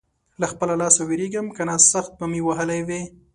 له خپله لاسه وېرېږم؛ که نه سخت به مې وهلی وې.